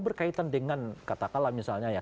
berkaitan dengan katakanlah misalnya ya